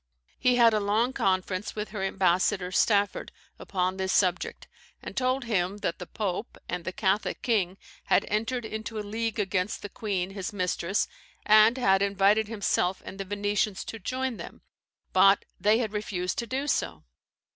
He had a long conference with her ambassador, Stafford, upon this subject, and told him that the Pope and the Catholic King had entered into a league against the queen, his mistress, and had invited himself and the Venetians to join them, but they had refused to do so.